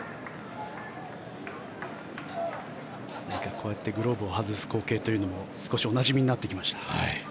こうやってグローブを外す光景というのも少しおなじみになってきました。